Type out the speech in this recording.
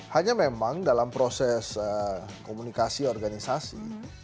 hanya memang dalam proses komunikasi organisasi